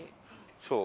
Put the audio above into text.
そう。